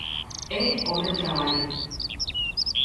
É o meu traballo.